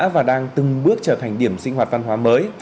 và đang từng bước trở thành điểm sinh hoạt văn hóa mới